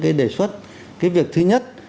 cái đề xuất cái việc thứ nhất